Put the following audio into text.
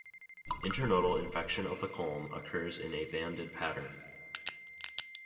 Internodal infection of the culm occurs in a banded pattern.